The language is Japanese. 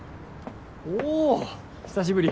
おぉ久しぶり。